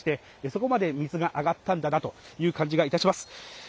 そこまで水が上がったんだなという感じがいたします